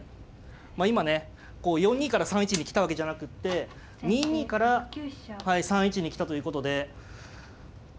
こう４二から３一に来たわけじゃなくて２二から３一に来たということで。